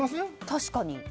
確かに。